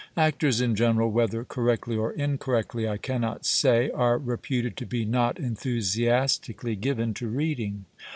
Actors in general, whether correctly or incorrectly I cannot say, are reputed to be not enthusiastically given to reading.